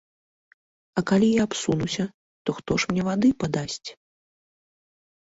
А калі я абсунуся, то хто ж мне вады падасць?